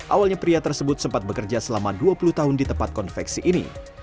awalnya pria tersebut sempat bekerja selama dua puluh tahun di tempat konveksi ini